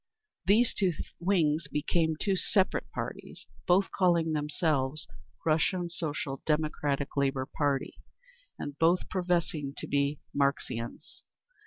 These two wings became two separate parties, both calling themselves "Russian Social Democratic Labour Party," and both professing to be Marxians.